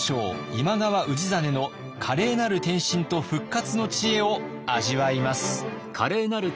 今川氏真の華麗なる転身と復活の知恵を味わいます。